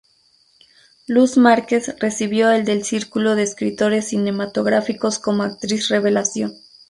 Luz Márquez recibió el del Círculo de Escritores Cinematográficos como actriz revelación.